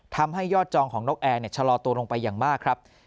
ทำให้ยอดจองของนกแอร์ชะลอตัวลงไปอย่างมากครับ